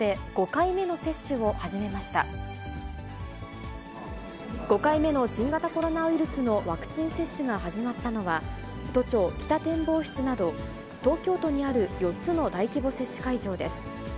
５回目の新型コロナウイルスのワクチン接種が始まったのは、都庁北展望室など東京都にある４つの大規模接種会場です。